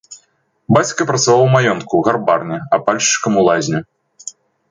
Бацька працаваў у маёнтку, гарбарні, апальшчыкам у лазні.